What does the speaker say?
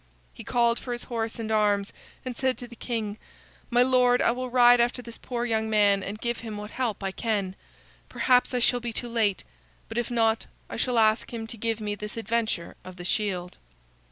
He called for his horse and arms, and said to the king: "My lord, I will ride after this poor young man and give him what help I can. Perhaps I shall be too late; but if not, I shall ask him to give me this adventure of the shield."